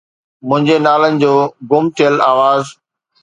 منهنجي نالن جو گم ٿيل آواز